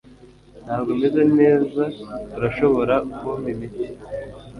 Ntabwo meze neza Urashobora kumpa imiti